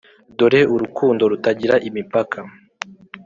dore urukundo rutagira imipaka.